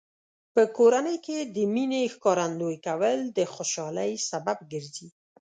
په کورنۍ کې د مینې ښکارندوی کول د خوشحالۍ سبب ګرځي.